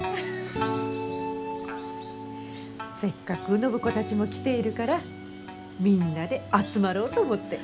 せっかく暢子たちも来ているからみんなで集まろうと思って。